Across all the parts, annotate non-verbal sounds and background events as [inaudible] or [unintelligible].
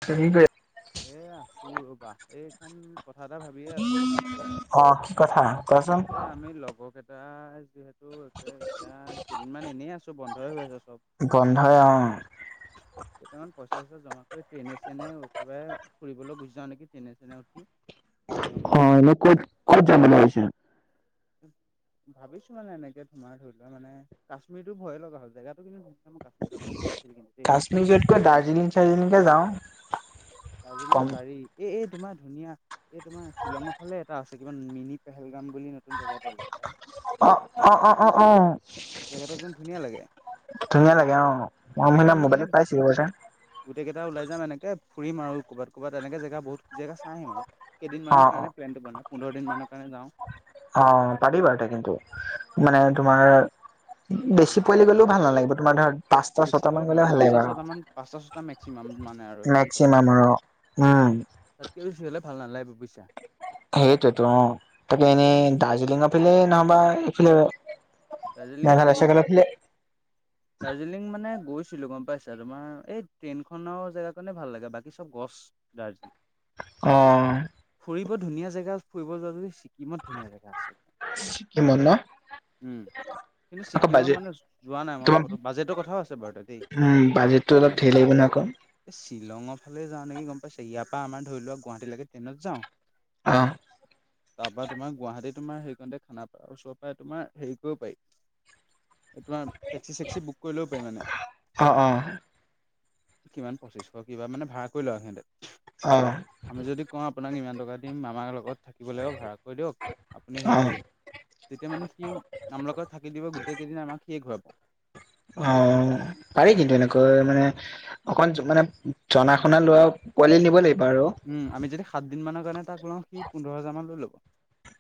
[unintelligible] এই আছো ৰবা এখান কথা এটা ভাবিয়ে আছো মানে একেবাৰে অ কি কথা কোৱাচোন এই আমি লগৰকেইটাই যিহে কেইদিনমান এনেই আছো বন্ধই হৈ আছছে চব। গন্ধই অ'। কেইটামান পইচা চইচা জমা কৰি ট্ৰেইনে চ্ৰেনে একেবাৰে ফুৰিবলৈ গুচি যাওঁ নেকি ট্ৰেইনে চেনে উঠি। একদম অঁ এনেই কত কত যাম বুলি ভাবিছে? ভাবিছো মানে এনেকে তোমাৰ ধৰি লোৱা মানে কাশ্মীৰতটো ভয়ে লগা হ'ল, জেগাতটো কিন্তু ধু মোৰ কাশ্মীৰ যাবলৈ মন আছিল কিন্তু দেই। নিজতকৈ দাৰ্জিলিং চাৰ্জিলিংকে যাওঁ। দাৰ্জিলিং কম পাৰি, এই এই তোমাৰ ধুনীয়া এই তোমাৰ শ্বিলঙৰ ফালে এটা আছে কিবা মিনি পেহেলগাম বুলি নতুন জেগা এটা ওলাইছে। অঁ অঁ অঁ অঁ অঁ। জেগাটো একদম ধুনীয়া লাগে ধুনীয়া লাগে অঁ, মই তেনেকে মানে আমি মোবাইত পাইছিলোঁ এটা। গোটেই কেইটা ওলাই যাম এনেকে ফুৰিম, আৰু ক'ৰবাত ক'ৰবাত এনেকে জেগা, বহুত জেগা চাই আহিম আৰু। অ কেইদিনমানৰ অ কাৰণে প্লেনটো বনাম, পোন্ধৰ দিনমানৰ কাৰণে যাওঁ। অঁ পাৰি বাৰু তে কিন্তু, মানে তোমাৰ বেছি পোৱালি গ'লেও ভাল নালাগিব, তোমাৰ ধৰ পাঁচটা, বেছি বোলে ছটামান নহয় গ'লে ভাল পাঁচটা লাগিব। ছটা মান পাঁচটা, ছটা মেক্সিমাম। মানে আৰু মেক্সিমামৰ অঁ, উম। তাতকৈ বেছি হলে ভাল নালাগিব বুজিছা। সেইটোয়েতো অঁ, তাকে এনেই, এই দাৰ্জিলিঙৰফালে নাইবা এইফালে দাৰ্জিলিং মেঘালয় পাৰি। চেঘালয় [inaudible] দাৰ্জিলিং, মানে গৈছিলোঁ গম পাইছা, তোমাৰ এই ট্ৰেইনখনৰ জেগা কাৰণে ভাল লাগে। বাকী চব গছ দাৰ্জিলিং অঁ। ফুৰিব ধুনীয়া জেগা ফুৰিব যদি ছিকিমত ধুনীয়া জেগা আছে। ছিক্কিমত ন? উম। কিন্তু আকৌ ছিকিমত বাজেট মানে যোৱা নাই মই, তোমাৰ ফটো বাজেটৰ কথাও আছে বাৰু তাত দেই। উম বাজেটটো অলপ ধেৰ লাগিব ন আকৌ এই শ্বিলঙৰ ফালে যাওঁ নেকি, গম পাইছা, ইয়াৰ পৰা আমাৰ ধৰি লোৱা গুৱাহাটীলৈকে ট্ৰেইনত যাওঁ। অঁহ। তাৰ পৰা তোমাৰ গুৱাহাটী তোমাৰ সেইকণতে খানাপাৰা ওচৰৰ পৰা তোমাৰ হেৰি কৰিব পাৰি, তোমাৰ টেক্সি-চেক্সি বুক কৰিলব পাৰি মানে। অ অ কিমান পঁচিশ কিবা মানে ভাড়া কৰি লই ইহঁতে। অ। আমি যদি কওঁ আপোনাক ইমান টকা দিম, আমাৰ লগত থাকিব লাগিব ভাড়া কৰি দিয়ক, আপুনি অ হেৰি কৰি দিয়ক, তেতিয়া মানে সি আমাৰ লগত থাকি দিব গোটেই কেইদিন আমাক সিয়েই ঘূৰাব। অ, পাৰি কিন্তু এনেকৈ মানে অকণমান মানে জনা শুনা লৰা পোৱালি নিব লাগিব আৰু। উম, আমি যদি সাতদিন মানৰ কাৰণে তাক লওঁ, সি পোন্ধৰ হাজাৰ মান লৈ ল'ব।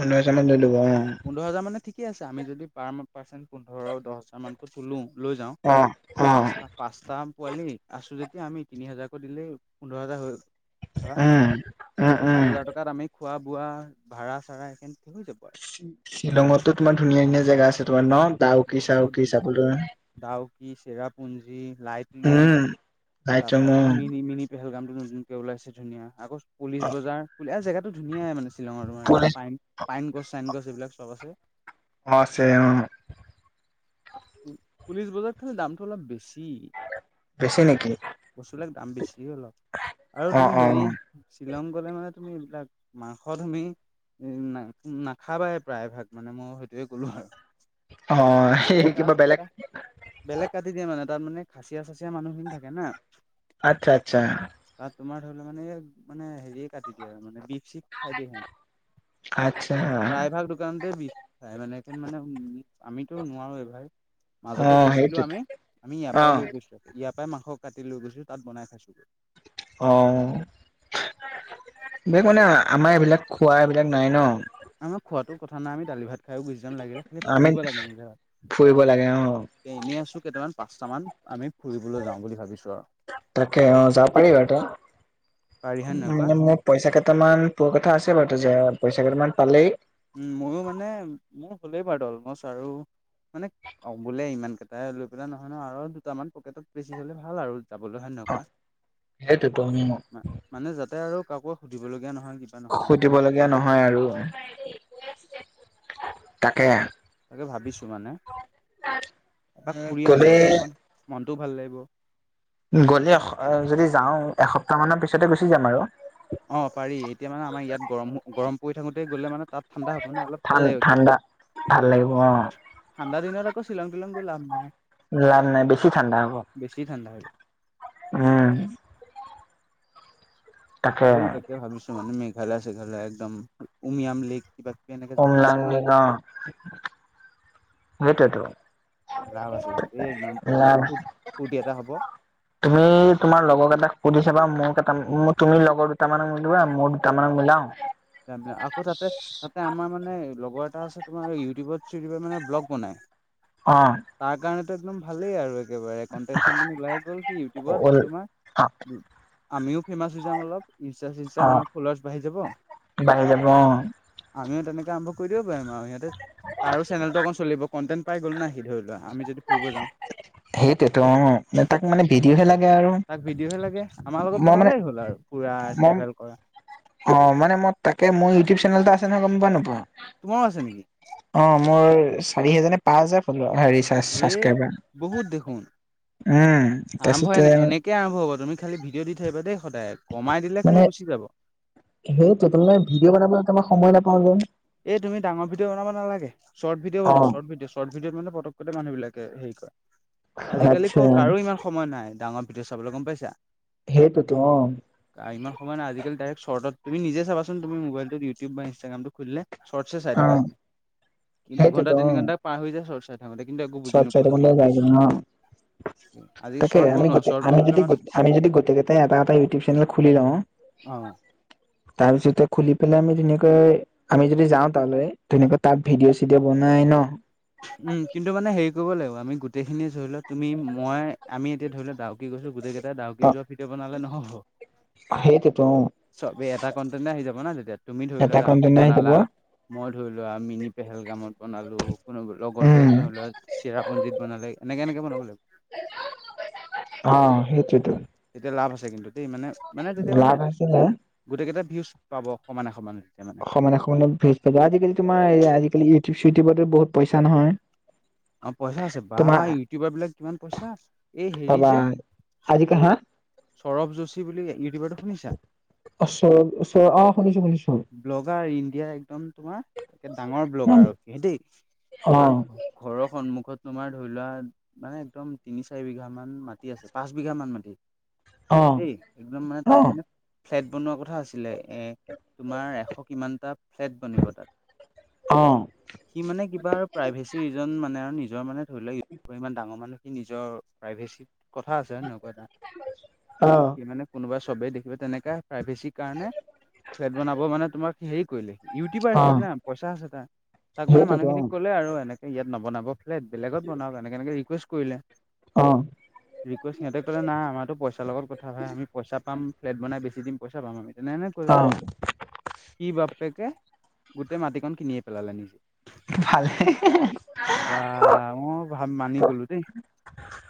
পোন্ধৰ হাজাৰমান লৈ লব অঁ। পোন্ধৰ হাজাৰমান ঠিকেই আছে, আমি যদি পাৰ পাৰ্চন পোন্ধৰ দহ হাজাৰমান তুলো লৈ যাওঁ, অ অ পাঁচটা পাঁচটা পোৱালি আছো যেতিয়া আমি তিনি হাজাৰকৈ দিলেই পোন্ধৰ হাজাৰ হৈ গ'ল। ধৰা উম উম বাকী উম সাত হাজাৰ টকাত আমি খোৱা বোৱা, ভাড়া চাড়া‌ সেইখিনিতে হৈ যাব আৰু। শ্বিলঙতো তোমাৰ ধুনীয়া ধুনীয়া জেগা আছে, তোমাৰ ন, ডাউকি চাউকি চাবলৈ। ডাউকী, চেৰাপুঞ্জী, লাইটলুম। উম তাৰ পৰা লাইটৰুম এই মিনি মিনি পেহেলগামটো নতুনকে ওলাইছে, ধুনীয়া আকৌ অ পুলিচ বজাৰ এ জেগাত ধুনীয়াই মানে শিলঙৰ তোমাৰ। পুলিচ পাইন পাইন গছ, চাইন গছ, এইবিলাক চব আছে। অ আছে অ'। পুলিচ বজাৰ খনত দামটো অলপ বেছি। বেছি নেকি বস্তুবিলাক দাম বেছি অলপ। আৰু অ তুমি অ হেৰি শ্বিলং গলে মানে তুমি এইবিলাক মাংস তুমি না নাখাবাই প্ৰায় ভাগ মানে মই সেইটোৱে ক'লো আৰু। অ সেই এই কিবা তাত বেলেগ বেলেগ কাটি দিয়ে মানে, তাত মানে খাচিয়া-চাচিয়া মানুহখিনি থাকে না। আচ্ছা আচ্ছা। তাত তোমাৰ ধৰি লোৱা মানে য়ে মানে হেৰিয়ে কাটি দিয়ে আৰু মানে বিফ চিভ খাই দিয়ে সিহঁতে। আচ্ছা প্ৰায় ভাগ দোকানতে বিফ পায় মানে, মানে উ আমিতো নোৱাৰো এ ভাই। অ মাজতে গৈছিলো সেইটোত আমি, আমি ইয়াৰ অ পৰাই লৈ গৈছিলো ইয়াৰ পৰাই মাংস কাটি লৈ গৈছো তাত বনাই খাইছোগৈ। অ বেগ মানে আমাৰ এইবিলাক খোৱা এইবিলাক নাই ন। আমাৰ খোৱাটো কথা নাই আমি দালি ভাত খায়ো গুচি যাম লাগিলে, খালি ফুৰিব লাগে আমি জাগা। ফুৰিব লাগে অ এ এনেই আছো কেইটামান পাঁচটামান আমি ফুৰিবলৈ যাওঁ বুলি ভাবিছো আৰু তাকে অ যাব পাৰি বাৰু পাৰি তাত। হয় নহয় কোৱা? মানে মোক পইচা কেইটামান পোৱা কথা আছে বাৰু যে পইচা কেইটামান পালেই উ ময়ো মানে মোৰ হ'লেই বাৰু [unintelligible] আৰু মানে অ বোলে ইমান কেইটাই লৈ পেলাই নহয় ন আৰু দুটামান পকেটত বেছি হ'লে ভাল আৰু। যাবলৈ হয় নে নাই অ কোৱা? সেইটোতো উম মা মানে যাতে আৰু কাকো সুধিবলগীয়া নহয় কি সুধিবলগীয়া নহয় আৰু অ। তাকে তাকে ভাবিছোঁ মানে, এপাক ফুৰি গ'লে আহোগৈ অকণ মনটোও ভাল লাগিব। গ'লে যদি যাওঁ এসপ্তাহমানৰ পিছতে গুচি যাম আৰু। অ পাৰি এতিয়া মানে আমাৰ ইয়াত গৰম গৰম পৰি থাকোতেই গ'লে মানে তাত ঠাণ্ডা হ'ব না অলপ ঠান ভাল লাগিব কিবা ঠাণ্ডা ভাল লাগিব অ এটা। ঠাণ্ডা দিনত আকৌ শ্বিলং-টিলং গৈ লাভ নাই। লাভ নাই বেছি ঠাণ্ডা হ'ব। বেছি ঠাণ্ডা হৈ যায়। উম। পাৰি তাকে ভাবিছোঁ মানে মেঘালয়-চেঘালয়া একদম উমিয়াম লেক কিবা কিবি এনেকে জেগা আছে ন উমলাংলি অ সেইটোৱেটো। লাভ আছে কিন্তু এই একদম পুৰা ফু-ফূৰ্তি এটা হ'ব। তুমি তোমাৰ লগৰ কেইটাক সুধি চাবা মোৰ কেইটা মই তুমি লগৰ দুটামানক লগ দিবা মোৰ দুটা দুটামানক মিলাও। লাভ নাই আকৌ তাতে তাতে আমাৰ মানে লগৰ এটা আছে তোমাৰ ইউটিউবত-চিউটিবত মানে ব্লগ বনাই, অ। তাৰ কাৰণেতো একদম ভালেই আৰু এক একেবাৰে কণ্টেন-চণ্টেটো ওলাই গ'ল সি ইউটিউবত অ তোমাৰ আমিও ফেমাচ হৈ যাম অলপ। ইনছতা ছিনছতা অ আমাৰ ফলোৱাৰছ বাহি যাব। বাঢ়ি যাব অ। আমিও তেনেকে আৰম্ভ কৰি দিব পাৰিম আৰু সিহঁতে তাৰো চেনেলতটো অকণ চলিব কনটেণ্ট পাই গ'লো না সি ধৰি লোৱা আমি যদি ফুৰিব যাওঁ। সেইটোয়েত অ। তাক মানে ভিডিঅ'হে লাগে আৰু। তাক মই মানে ফুৰা, মই ট্ৰেভেল কৰা। অ, মানে মই তাকে মোৰ ইউটিউব চেনেল এটা আছে নহয়, গম পোৱা নে নোপোৱা? তোমাৰো আছে নেকি? অ, মোৰ চাৰি হেজাৰ নে পাঁচ হাজাৰ ফলোৱাৰ। সেই এ চাব্ছক্ৰাইবাৰ। উম, বহুত দেখোন তাৰ পিছতে কে আৰম্ভ হ'ব। তুমি খালি ভিডিঅ' দি থাকিবা দেই সদায়, কমাই দিলে খালি গুচি যাব। সেইটোটো মানে ভিডিঅ' বনাব তোমাৰ সময় নাপাওঁ যে। এই তুমি ডাঙৰ ভিডিঅ' বনাব নালাগে শৰ্ট ভিডিঅ' অ বনোৱা শৰ্ট ভিডিঅ'। শৰ্ট ভিডিঅ'ত মানে পতক পতক মানুহবিলাকে হেৰি কৰে। আজিকালি আচ্ছা ক' কাৰোয়ে সিমান সময় নাই ডাঙৰ ভিডিঅ' চাবলৈ, গম পাইছা? সেইটোটো, অ। ইমান সময় নাই। আজিকালি ডাৰেক্ট শৰ্টত তুমি নিজেই চাবাচোন তুমি মোবাইলটোত ইউটিউব বা ইনষ্টাগ্ৰামটো খুলিলে। চৰ্ট চে চাই অ থাকা কি দুঘণ্টা, তিনি ঘণ্টা পাৰ হৈ যায়। চৰ্ট চা চৰ্ত চাই থাকোঁতে যায়গে ন। আজি তাকে শৰ্ট আমি বনোৱা গোটে শৰ্ট আমি বনালে যদি, মানে আমি যদি গোটেইকেইটাই এটা এটা ইউটিউব চেনেল খুলি লওঁ। অঁ। তাৰপিছতে খুলি পেলাই আমি ধুনীয়াকৈ আমি যদি যাওঁ তালৈ, ধুনীয়াকৈ তাত ভিডিঅ' চিডিঅ' বনাই ন? উম, কিন্তু মানে হেৰি কৰিব লাগিব। আমি গোটেইখিনি ধৰি লোৱা তুমি, মই, আমি এতিয়া ধৰি লোৱা ডাউকী গৈছোঁ গোটেইকেই টাই অ ডাউকি যোৱা ভিডিঅ' বনালে নহ'ব। সেইটোতো অ চবে এটা কণ্টেনে আহি যাব না তেতিয়া, তুমি ধৰি লোৱা এটা ডাউকীত কন্টেন্ট আহি যাব বনালা। মই ধৰি লোৱা মিনি পেহেলগামত বনালোঁ। লগৰটোৱে উম ধৈ লোৱা চিৰাপুঞ্জিত বনালে, এনেকে এনেকে বনাব লাগিব। অ', সেইটোৱেতো। তেতিয়া লাভ আছে কিন্তু দেই। মানে, মানে তেতিয়া মানে লাভ আছিলে গোটেইকেইটা ভিউজ পাব সমানে, সমানে [unintelligible] সমানে, সমানে ভিউজ। [unintelligible] আজিকালি তোমাৰ এই আজিকালি ইউটিউব চিউটিউবতো বহুত পইচা নহয়। অ', পইচা আছে। বা, তোমাৰ ইউটিউবাৰ বিলাক কিমান পইচা। এই হেৰি যে আজিকা হা। সৌৰভ যোশী বুলি ইউটিউবাৰটো শুনিছা? অ চ চ অ শুনিছো শুনিছো ব্লগাৰ ইণ্ডিয়াৰ একদম তোমাৰ একে ডাঙৰ ব্লগাৰ আৰু সি দেই, অ তাক ঘৰৰ সন্মুখত তোমাৰ ধৰি লোৱা মানে একদম তিনি, চাৰি বিঘামান মাটি আছে। পাঁচবিঘা মান মাটি অ দেই, একদম মানে অ তাত মানে ফ্লেট বনোৱা কথা আছিলে। এ তোমাৰ এশ কিমানটা ফ্লেট বনিব তাত। অ সি মানে কিবা আৰু প্ৰাইভেচি ৰিজন মানে আৰু নিজৰ মানে ধৰি লোৱা ইউ--উবৰ ইমান ডাঙৰ মানুহ। সি নিজৰ প্ৰাইভেচিত কথা আছে হয় নই [unintelligible] অঁ। কি মানে কোনোবা চবেই দেখিবা, তেনেকা প্ৰাইভেচিৰ কাৰণে ফ্লেট বনাব মানে তোমাক হেৰি কৰিলে। ইউটিউবাৰ সি না পইচা আছে তাৰ। তাক মানে সেইটোতো মানুহখিনিক ক'লে আৰু এনে কে ইয়াত নবনাব ফ্লেট বেলেগত বনাওক, এনেকে, এনেকে ৰিকুৱেষ্ট কৰিলে। অঁ। ৰিকুৱেষ্ট সিহঁতে ক'লে না আমাৰটো পইচা লগত কথা ভাই। আমি পইচা পাম ফ্লেট বনাই বেছি দিম পইচা পাম আমি। তেনে হয়। অ', সি বাপ্পেকে গোটেই মাটিকণ কিনিয়েই পেলালে নিজে! ভালহে! বা অ' ভা মানি গলোঁ দেই।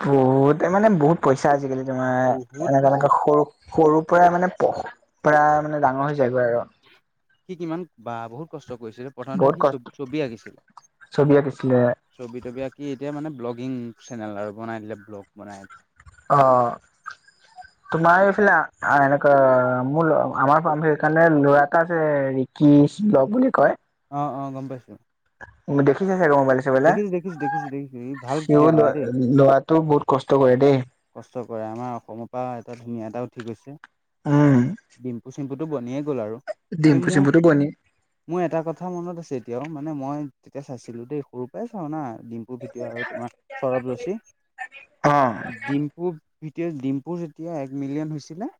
বহুতে মানে বহুত পইচা আজিকালি তোমাৰ, বহুত পইচা। এনেকা-এনেকা সৰু সৰুৰ পৰা মানে বহুত পৰা মানে ডাঙৰ হৈ যায়গৈ আৰু সি কিমান বা বহুত কষ্ট কৰিছে। প্রথমতে বহুত সি ছ কষ্ট ছবি আঁকিছিলে। ছবি আঁকিছিলে ছবি তবি আঁকি এতিয়া মানে ব্লগিং চেনেল আৰু বনাই দিলে। ব্লগ বনাই অ'হ। তোমাৰ এইফালে এনেকুৱা, মোৰ আমাৰ সেইকাৰণে ল'ৰা এটা আছে কৃষ্ণ বুলি কয়! অ' অ' গম পাইছোঁ। উম, দেখিছাই চাগে মোবাইল আছ দেখিছো দেখিছো দেখিছো ই [unintelligible] ভাল সিও ভিডিঅ' ল বনাই দেই ল'ৰাটো বহুত কষ্ট কৰে দেই! কষ্ট কৰে অ', আমাৰ সৰু পা এটা ধুনীয়া এটা উঠি গৈছে। উম। ডিম্পু চিম্পুটো বনিয়ে গ'ল আৰু এই ডিম্পু- মোৰ চিম্পুটো বনি মোৰ এটা কথা মনত আছে এতিয়াও, মানে মই তেতিয়া চাইছিলোঁ দেই। সৰুৰ পৰাই চাওঁ না ডিম ডিম্পু আৰু তোমাৰ শৰব গৈছি অ'হ। ডিম্পুৰ ভিডিঅ', ডিম্পু যেতিয়া এক মিলিয়ন হৈছিলে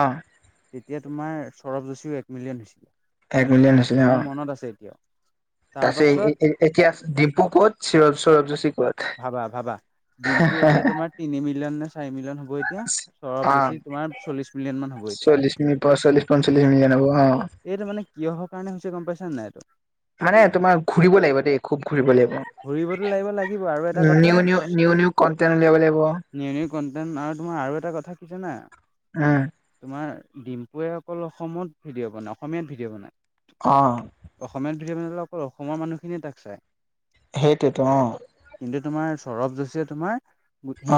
অহ। তেতিয়া তোমাৰ শৰব যোশীও এক মিলিয়ন হৈছিলে। এক মিলিয়ন মোৰ মনত আছে এতিয়াও। তাৰ পিছতে এ- এ-এ এতিয়া ডিম্পু ক'ত! শৰব যোশী ক'ত! ভাবা -ভাবা, ডিম্পু এতিয়া তোমাৰ তিনি মিলিয়ন নে চাৰি মিলিয়ন হ'ব এতিয়া শৰব যোশী তোমাৰ চল্লিছ মিলিয়ন মান হ'ব এতিয়া। [unintelligible] পৰা চল্লিশ-পঞ্চল্লিশ মিলিয়ন হ'ব। অ'হ। এইটো মানে কিহৰ কাৰণে হৈছে, গম পাইছা নে নাই এইটো মানে তোমাৰ ঘূৰিব লাগিব দেই। খুব ঘূৰিব লাগিব। ঘূৰিবতো লাগিব। লাগিব। আৰু এটা কথা টাইম উলিয়াব লাগিব। নিউ নিউ কন্টেন্ট, আৰু তোমাৰ আৰু এটা কথা কি জানা উম। তোমাৰ ডিম্পুৱে অকল অসমত ভিডিঅ' বনায়। অসমীয়াত ভিডিঅ' বনায়। অহ। অসমীয়াত ভিডিঅ বনালে, অকল অসমৰ মানুহখিনিয়ে তাক চায়। সেইটোয়েতো অ'হ। কিন্তু তোমাৰ শৰব যোশীয়ে তোমাৰ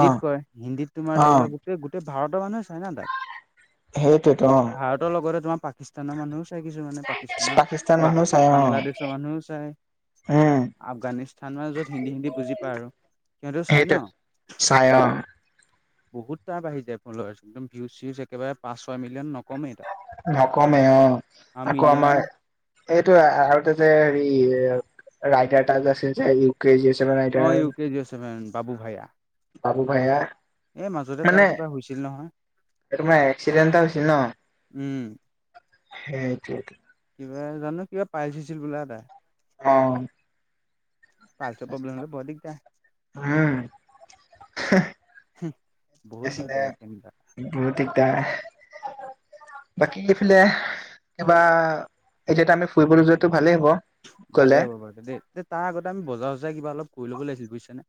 অ কয়। হিন্দীত তোমাৰ অ ধৰি লওঁক গোটেই ভাৰতৰ মানুহ চাই না তাক। সেইটোৱেইতো। অ'হ ভাৰতৰ লগতে তোমাৰ পাকিস্তানৰ মানুহেও চা চায় কিছুমানে, পাকিস্তানৰ। পাকিস্তান মানুহ চাই বা- অ বাংলাদেশৰ মানুহেও চায়। উম আফগানিস্তা -স্থান -মান য'ত, হিন্দী -হিন্দী বুজি পাই আৰু, সিহঁতেও চাই সেইটোৱে ন? চাই অ বহুত টাপ আহি যায় [unintelligible] একদম ভিউজ চিউজ একেবাৰে পাঁচ ছয় মিলিয়ন ন নকমেই অ', আৰু আকৌ মিলিয়ন আমাৰ সেইটোৱে আৰু এটা যে হেৰি ৰাইডাৰ এটা যে আছিল যে হেৰি [unintelligible] অ', ইউ কে জি'ৰ ছেভেন বাবু ভাইয়া। বাবু ভাইয়া এই মাজতে তাৰ কেনে কিবা হৈছিল নহয় এক্সিডেন্ট এটা হৈছিল ন'? উম সেইটোৱে টো কিবা জানো কিবা পাইলছ হৈছিল বোলো এটা অ', পাইলচৰ প্ৰব্লেম হলে বৰ দিগদাৰ উম বহুত আছিলে দিগদাৰ কেনিবা বহুত দিগদাৰ বাকী এইফালে কিবা এতিয়াতো আমি ফুৰিবলৈ যোৱাটো ভালেই হ'ব। গ'লে ভালেই হ'ব বাৰু দেই, তাৰ আগতে আমি বজাৰ চজাৰ কিবা অলপ কৰি লব লাগছিল বুজিছানে?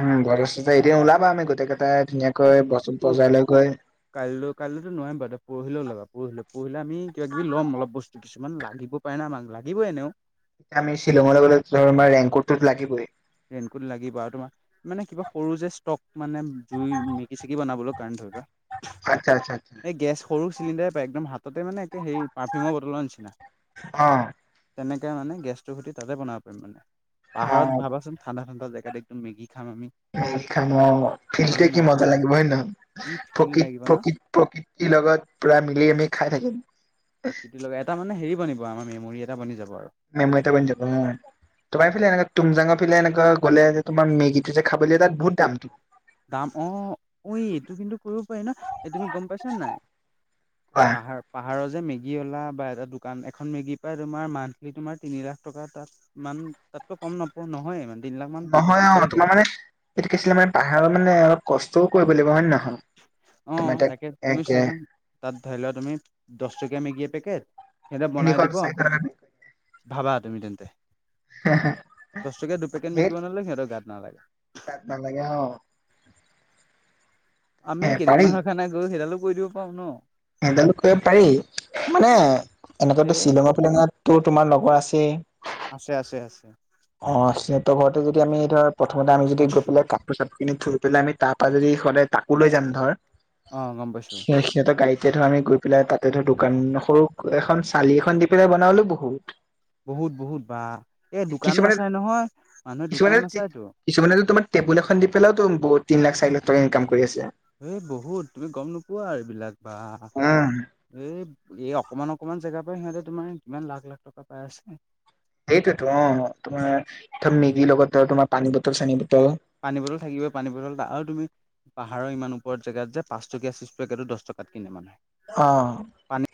উম, বজাৰ চজাৰ এদিন ওলাবা আমি গোটেই কেইটাই ধুনাকৈ কৰ বজাৰ লৈ গৈ কাইলৈ কাইলৈতো নোৱাৰিম বাৰু পৰহিলৈ ওলাবা পৰহিলৈ পৰহিলৈ আমি কিবা কিবি লম অলপ বস্তু কিছুমান লাগিব পাৰি ন' [unintelligible] লাগিবই এনেও। আমি শ্বিলঙলৈ গ'লে ধৰ আমাৰ ৰেইনকোটতো লাগিবই ৰেইনকোট লাগিব আৰু তোমাৰ মানে কিবা সৰু যে ষ্টপ মানে জুই মেগি চেগি বনাবলৈ কাৰণে ধৰিলোৱা আচ্ছা, আচ্ছা, আচ্চা। গেছ সৰু চিলিণ্ডাৰ পায় একদম হাততে মানে সেই পাৰফিউমৰ বটলৰ নিচিনা অ তেনেকে মানে গেছটোৰ খুটি তাতে বনাব পাৰিম মানে অ পাহাৰত ভাবাচোন ঠাণ্ডা ঠাণ্ডা জাগাত একদম মেগি খাম আমি মেগি খাম অ', ফিলটোয়ে কি মজা লাগিব হয় নহয়, কি ফিল লাগিব প্ৰকৃত ন প্ৰকৃত। প্ৰকৃতিৰ লগত পুৰা মিলি আমি খাই থাকিম প্ৰকৃতিৰ লগা এটা মানে হেৰি বনিব আমাৰ মেমৰি এটা বনি যাব আৰু। মেমৰি এটা বনি যাব উম, তোমাৰ ফালে এনে তুমজাঙৰ ফালে এনেকা গ'লে যে তোমাক মেগীটো যে খাবলে দিয়ে তাত বহুত দামটো দাম অ', ঐ এইটো কিন্তু কৰিব পাৰি ন' তুমি গম পাইছা নাই? কোৱা পাহাৰ পাহাৰৰ যে মেগী ওলা বা এটা দোকান এখন মেগী পাই তোমাৰ মান্থলি তোমাৰ তিনি লাখ টকা তাত মান তাতকৈ কম নপ নহয় মানে নহয় অ', তোমাৰ মানে এইটো কি আছিলে মানে পাহাৰৰ মানে অলপ কষ্টও কৰিব লাগিব হয় নহয়? অ', তোমাৰ তাত তাকে তুমি একে চোৱাচোন তাত ধৰি লোৱা তুমি দশ টকীয়া মেগী এপেকেট সিহঁতে তিনিশ বনাই দিব চাৰিশ টকা ভাবা তুমি তেন্তে দশ টকীয়া দুপেকেট মেগি বনালে সিহঁতৰ গাত নালাগে গাত নালাগে অ', আমি এ পাৰি কেইদিনমানৰ কাৰণে গৈ সেইডালো কৰি দিব পাৰো ন'? সেইডাল কৰিব পাৰি মানে এনেকাটো সেয়ে শ্বিলঙৰ ফালেতো তোমাৰ লগৰ আছেই আছে, আছে, আছে অ', সিহঁতৰ ঘৰতে যদি আমি ধৰ প্ৰথমতে আমি যদি গৈ পেলাই কাপোৰ চাপোৰ কিনি থৈ পেলাই আমি তাপ পৰা যদি সিদায় তাকো লৈ যাম ধৰ, অ গম পাইছো সি সিহঁতৰ গাড়ীতে ধৰ আমি গৈ পেলাই তাতে ধৰ দোকান সৰু এখন চালি এখন দি পেলাই বনালেও বহুত বহুত বহুত বা এই দোকান কিছুমানে নাচাই নহয়। মানুহে দোকান কিছুমানে নাচায়তো। কিছুমানেতো তোমাৰ টেবুল এখন দি পেলাওটো বহু তিনি লাখ চাৰিলাখ টকা ইনকাম কৰি আছে। এ বহুত তুমি গম নোপোৱা এইবিলাক বা উম এই এই অকমান অকনমান জেগাৰ পৰা সিহঁতে তোমাৰ কিমান লাখ লাখ টকা পাই আছে। সেইটোতো অ তোমাৰ মেগি লগত তোমাৰ পানী বটল চানী বটল পানী বটল থাকিবই। পানী বটল ত আৰু তুমি পাহাৰৰ ইমান ওপৰত জেগাত যে পাঁচটকীয়া চিপচ পেকেটো দহ টকাত কিনে মানুহে। অ